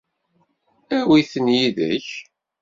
Awi-ten yid-k.